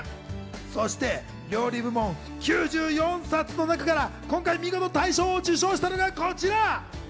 そして料理部門９４冊の中から今回、見事大賞を受賞したのがこちら。